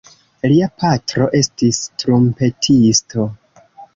Lia patro estis trumpetisto.